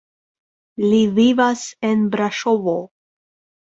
Li vivas en Braŝovo.